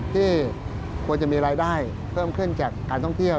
ที่ควรจะมีรายได้เพิ่มขึ้นจากการท่องเที่ยว